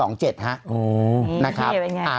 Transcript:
อ๋อเนี้ยมันเป็นยังไง